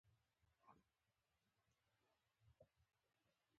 ده د عربانو مسله هم راپورته کړه.